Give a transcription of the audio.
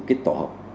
cái tổ hợp